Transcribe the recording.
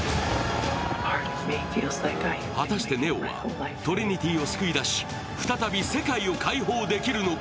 果たしてネオはトリニティーを救い出し、再び世界を解放できるのか